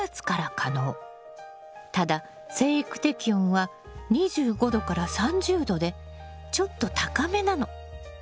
ただ生育適温は２５℃３０℃でちょっと高めなの。